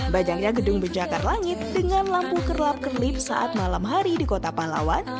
banyaknya gedung pencakar langit dengan lampu kerlap kerlip saat malam hari di kota palawan